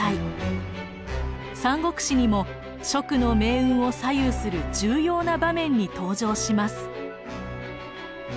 「三国志」にも蜀の命運を左右する重要な場面に登場します。